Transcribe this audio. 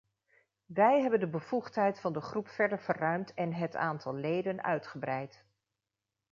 Wij hebben de bevoegdheid van de groep verder verruimd en het aantal leden uitgebreid.